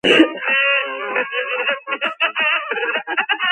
მიეკუთვნება სენტრუ-ამაზონენსის მეზორეგიონს.